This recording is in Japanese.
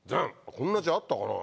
こんな字あったかな？